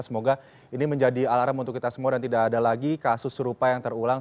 semoga ini menjadi alarm untuk kita semua dan tidak ada lagi kasus serupa yang terulang